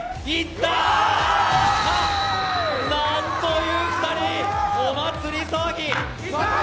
なんという２人、お祭り騒ぎ。